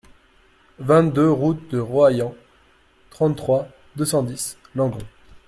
vingt-deux route de Roaillan, trente-trois, deux cent dix, Langon